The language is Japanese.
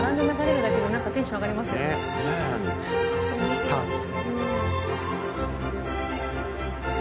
スターです。